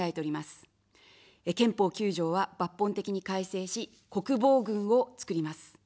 憲法９条は抜本的に改正し、国防軍をつくります。